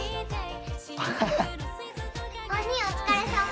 お兄お疲れさま。